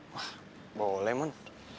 wah boleh mon